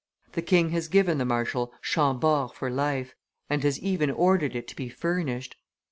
The king has given the marshal Chambord for life, and has even ordered it to be furnished.